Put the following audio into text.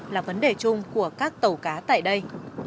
là vấn đề chung của các tàu cá tại đây